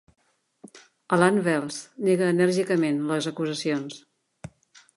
Allan Wells nega enèrgicament les acusacions.